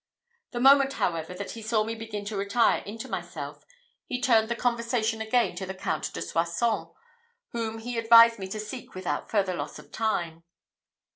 The moment, however, that he saw me begin to retire into myself, he turned the conversation again to the Count de Soissons, whom he advised me to seek without loss of time.